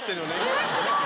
えすごい！